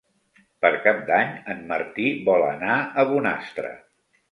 Per Cap d'Any en Martí vol anar a Bonastre.